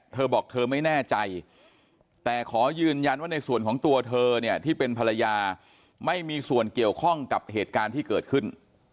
เธอบอกเธอไม่แน่ใจแต่ขอยืนยันว่าในส่วนของตัวเธอเนี่ยที่เป็นภรรยาไม่มีส่วนเกี่ยวข้องกับเหตุการณ์ที่เกิดขึ้น